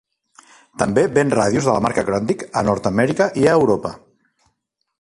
També ven ràdios de la marca Grundig a Nord-Amèrica i a Europa.